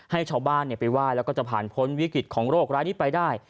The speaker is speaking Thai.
ให้ชาวบ้านไปไหว้แล้วก็จะผ่านพ้นวิกฤตของโรคร้ายนี้ไปได้